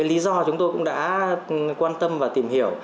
lý do chúng tôi cũng đã quan tâm và tìm hiểu